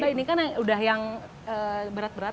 ini kan udah yang berat berat